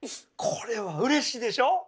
これはうれしいでしょ？